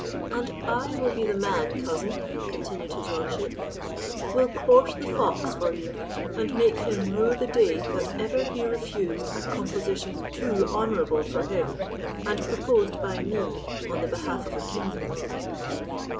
And I will be the man, cousin," continued his lordship, "will course the fox for you, and make him rue the day that ever he refused a composition too honourable for him, and proposed by me on the behalf of a kinsman."